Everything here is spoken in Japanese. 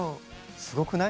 すごくない？